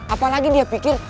apalagi dia pikir